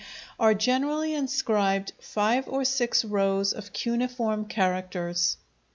are generally inscribed five or six rows of cuneiform characters.